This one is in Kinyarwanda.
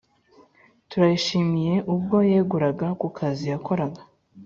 turayishimiye ubwo yeguraga kukazi yakoraga